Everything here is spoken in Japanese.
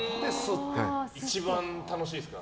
一番楽しいですか？